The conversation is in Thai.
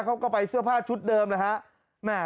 เขาก็ไปเสื้อผ้าชุดเดิมนะฮะ